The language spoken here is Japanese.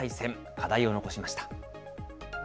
課題を残しました。